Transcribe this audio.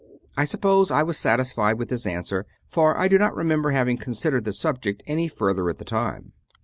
I suppose I was satisfied with his answer; for I do not remember having considered the subject any further at the time.